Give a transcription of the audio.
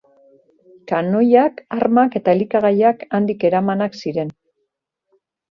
Kanoiak, armak eta elikagaiak handik eramanak ziren.